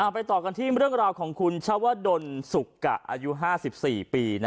ไปต่อกันที่เรื่องราวของคุณชาวดลสุกกะอายุ๕๔ปี